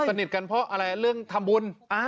สนิทกันเพราะอะไรเรื่องทำบุญ